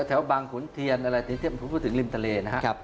แถวบางขุนเทียนอะไรถึงลิมทะเลนะครับ